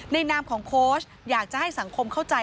นามของโค้ชอยากจะให้สังคมเข้าใจ